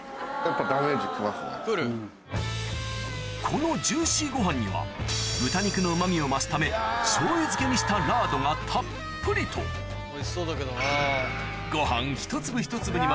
このジューシーご飯には豚肉のうま味を増すためしょう油漬けにしたがたっぷりとおいしそうだけどな。